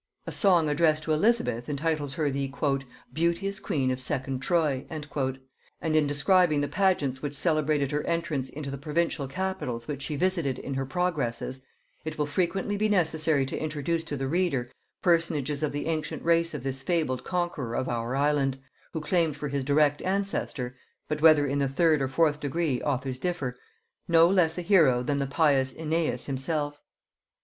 A song addressed to Elizabeth entitles her the "beauteous queen of second Troy;" and in describing the pageants which celebrated her entrance into the provincial capitals which she visited in her progresses, it will frequently be necessary to introduce to the reader personages of the ancient race of this fabled conqueror of our island, who claimed for his direct ancestor, but whether in the third or fourth degree authors differ, no less a hero than the pious Æneas himself.